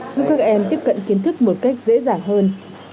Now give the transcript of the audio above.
giúp các em tiếp cận kiến thức một cách dễ dàng hơn